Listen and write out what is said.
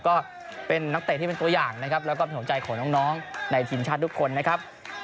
ก็เป็นนักเตะที่เป็นตัวอย่างนะครับแล้วก็เป็นหัวใจของน้องในทีมชาติทุกคนนะครับ